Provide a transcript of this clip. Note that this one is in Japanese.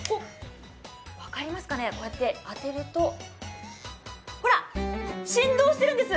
分かりますかね、当てるとほら、振動してるんです。